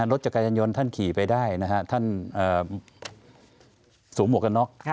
รถจักรยานยนต์ท่านขี่ไปได้นะฮะท่านสวมหมวกกันน็อก